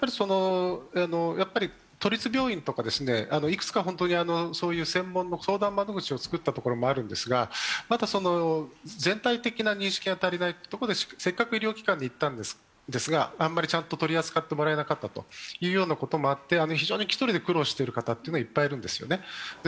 やはり都立病院とか、いくつかそういう専門の相談窓口をつくったところもあるんですが、全体的な認識が足りないというところで、せっかく医療機関に行ったんですが、あまりちゃんと取り扱ってもらえなかったということもあって非常に１人で苦労している方というのはいっぱいいるんですよね。